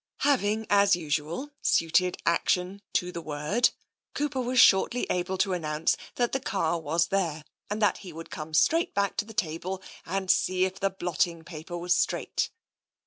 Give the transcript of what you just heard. Having, as usual, suited the action to the word, Cooper was shortly able to announce that the car was there, and that he would come back to the table and see if the blotting paper was straight.